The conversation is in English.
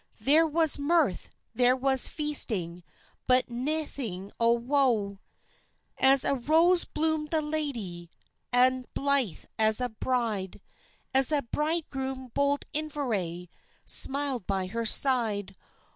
There was mirth, there was feasting, But naething o' woe. "As a rose bloomed the lady, An' blithe as a bride, As a bridegroom bold Inveraye Smiled by her side.